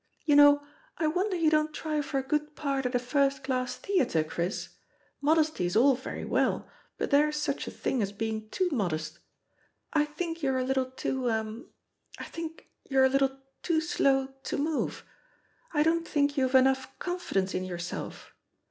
You know, I wonder you don't try for a good part at a first class theatre, Chris. Modesty's all very well, but there's such a thing as being too modest; I think you're a little too — er — I think you're a little too slow to move. I don't think you've enough confidence in yourself.